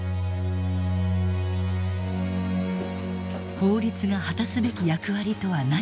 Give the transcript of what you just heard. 法律が果たすべき役割とは何か。